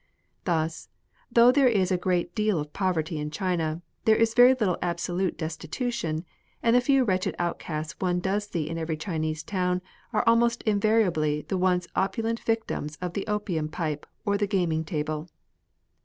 Thus, though there is a great deal of poverty in China, there is very little absolute destitution, and the few wretched outcasts one does see in every Chinese town, are almost invariably the once opulent victims of the opium pipe or the gaming table.